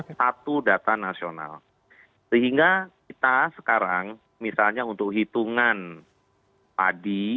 kita sudah menggunakan data nasional sehingga kita sekarang misalnya untuk hitungan padi